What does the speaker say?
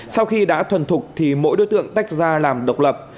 sau khi đã thuần thục thì mỗi đối tượng tách ra làm độc lập